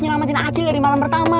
nyelamatin acil dari malam pertama